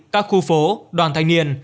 các khu phố đoàn thanh niên